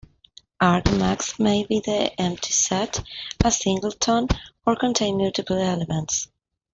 Arg max may be the empty set, a singleton, or contain multiple elements.